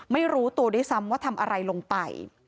ไม่รู้ตัวด้วยซ้ำว่าทำอะไรลงไป